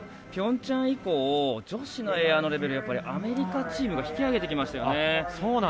ピョンチャン以降女子のエアのレベルアメリカチームが引き上げてきましたよね。